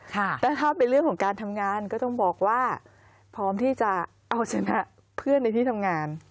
แต่ถ้าเป็นเรื่องของการทำงานก็ต้องบอกว่าพร้อมที่จะเอาชนะเพื่อนในที่ทำงาน